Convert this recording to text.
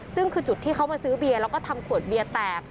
ซึ่งคือจุดที่เขามาซื้อเบียร์แล้วก็ทำขวดเบียร์แตก